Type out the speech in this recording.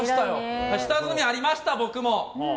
でも下積みありました、僕も。